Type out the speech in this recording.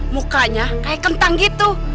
mukanya kayak kentang gitu